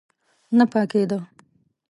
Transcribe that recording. نه پاکېده.